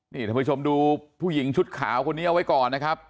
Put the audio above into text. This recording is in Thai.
นี่ท่านผู้ชมดูผู้หญิงชุดขาวคนนี้เอาไว้ก่อนนะครับ